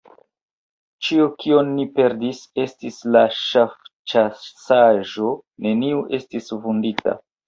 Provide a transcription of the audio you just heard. Ĉio kion ni perdis, estis la ŝafĉasaĵo; neniu estis vundita.